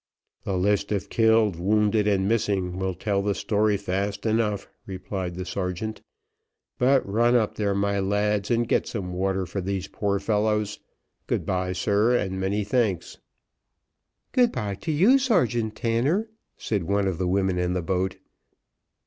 "The list of killed, wounded, and missing, will tell the story fast enough," replied the sergeant; "but run up there, my lads, and get some water for these poor fellows. Good bye, sir, and many thanks." "Good bye to you, Sergeant Tanner," said one of the women in the boat.